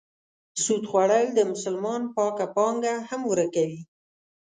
سود خوړل د مسلمان پاکه پانګه هم ورکوي.